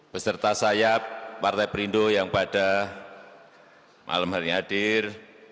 beserta sayap partai perindo yang pada malam hari ini hadir